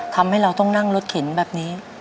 ทำให้เราต้องนั่งรถเข็นแบบนี้